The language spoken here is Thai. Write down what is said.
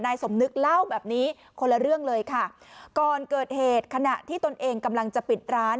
สมนึกเล่าแบบนี้คนละเรื่องเลยค่ะก่อนเกิดเหตุขณะที่ตนเองกำลังจะปิดร้าน